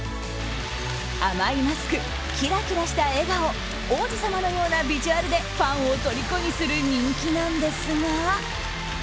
甘いマスク、キラキラした笑顔王子様のようなビジュアルでファンをとりこにする人気なんですが。